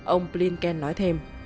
ông blinken nói thêm